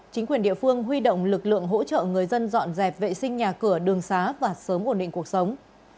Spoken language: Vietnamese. chính quyền địa phương huy động lực lượng hỗ trợ người dân dọn dẹp vệ sinh nhà cửa đường xá và sớm ổn định cuộc sống